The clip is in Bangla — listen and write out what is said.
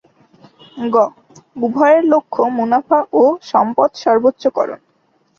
গ. উভয়ের লক্ষ্য মুনাফা ও সম্পদ সর্বোচ্চকরণ